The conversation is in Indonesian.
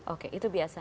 oke itu biasa